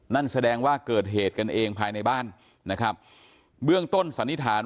นั่นแสดงว่าเกิดเหตุกันเองภายในบ้านนะครับเบื้องต้นสันนิษฐาน